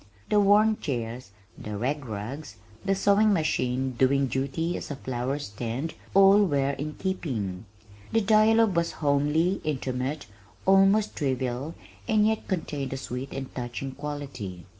The worn chairs, the rag rugs, the sewing machine doing duty as a flowerstand, all were in keeping. The dialogue was homely, intimate, almost trivial and yet contained a sweet and touching quality.